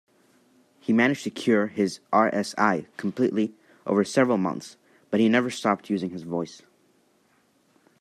He managed to cure his RSI completely over several months, but he never stopped using his voice.